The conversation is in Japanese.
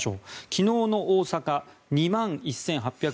昨日の大阪、２万１８６０人。